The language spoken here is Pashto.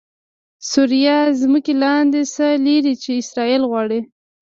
سوریه ځمکې لاندې څه لري چې اسرایل غواړي؟😱